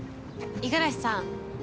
五十嵐さん。